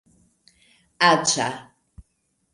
aĝa